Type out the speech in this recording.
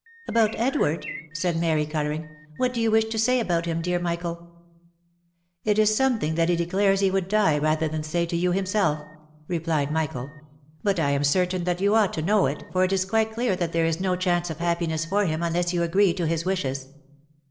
" About Edward ?" said Mary colouring, '•' what do you wish to say about him, dear Michael?" " It is something that he declares he would die rather than say to you himself," replied Michael, " but I am certain that you ought to know it, for it is quite clear that there is no chance of happiness for him unless you agree to his wishes."